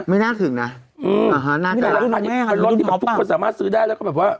ไม่น่าถึงนะอืมแต่ละคันนี้เป็นรถที่แบบทุกคนสามารถซื้อได้แล้วก็แบบว่า